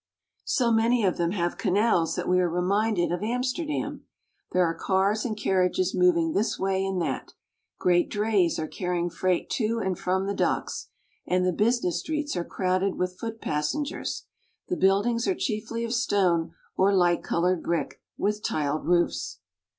So many of them have canals that we are reminded of Amsterdam. There are cars and carriages moving this way and that. Great drays are carrying freight to and from the docks, and the business streets are crowded with foot passen gers. The buildings are chiefly of stone or light colored brick with tiled roofs.